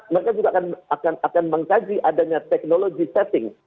mereka juga akan mengkaji adanya teknologi setting